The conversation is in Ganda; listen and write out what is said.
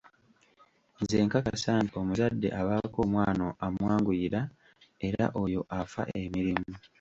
Nze nkakasa nti omuzadde abaako omwana amwanguyira era oyo afa emirimu.